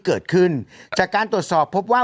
เกิดขึ้นจากการตรวจสอบพบว่า